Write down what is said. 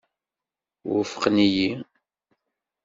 Wufqen-iyi.